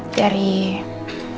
sorry dari siapa